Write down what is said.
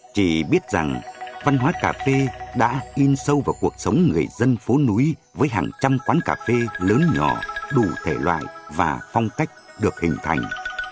chỉ biết rằng văn hóa cà phê đã in sâu vào cuộc sống người dân phố núi với hàng trăm quán cà phê lớn nhỏ đủ thể loại và phong cách được hình thành